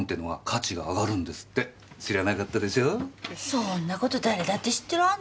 そんな事誰だって知ってらーね。